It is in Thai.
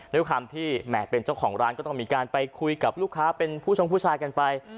ด้วยความที่แหม่เป็นเจ้าของร้านก็ต้องมีการไปคุยกับลูกค้าเป็นผู้ชมผู้ชายกันไป